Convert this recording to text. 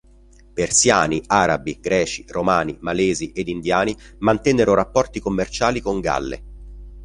Persiani, arabi, greci, romani, malesi ed indiani mantennero rapporti commerciali con Galle.